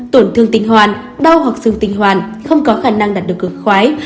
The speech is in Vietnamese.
tổn thương tình hoàn đau hoặc sương tình hoàn không có khả năng đạt được cường khoái